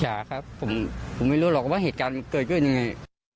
ครับผมไม่รู้หรอกว่าเหตุการณ์เกิดขึ้นยังไง